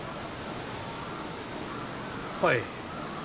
はい。